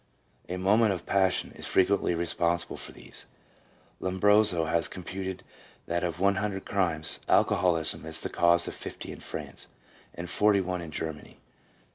A moment of passion is frequently responsible for these. 2 Lombroso has computed that of one hundred crimes, alcoholism is the cause of fifty in France, and forty one in Germany.